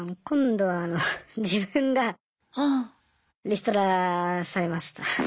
今度はあの自分がリストラされました。